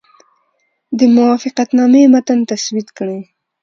د موافقتنامې متن تسوید کړي.